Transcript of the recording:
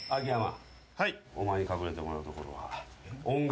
お前に隠れてもらうところは。